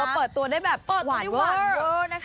เปิดตัวได้มีระบบหวานเวอร์